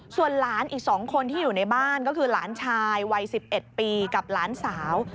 ส่วนหลานอีก๒คนที่อยู่ในบ้านก็คือหลานชายวัย๑๑ปีกับหลานสาว